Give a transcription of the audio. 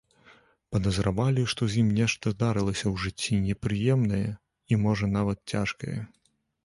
Падазравалі, што з ім нешта здарылася ў жыцці непрыемнае і, можа, нават цяжкае.